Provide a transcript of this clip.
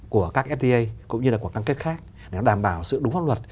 của các sta cũng như là của các căn kết khác để đảm bảo sự đúng pháp luật